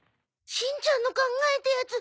しんちゃんの考えたやつ